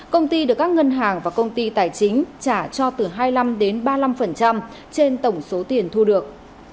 công ty được các ngân hàng và công ty tài chính trả cho từ hai mươi năm đến ba mươi năm trên tổng số tiền thu được